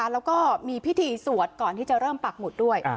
แล้วก็มีพิธีสวดก่อนที่จะเริ่มปักหมุดด้วย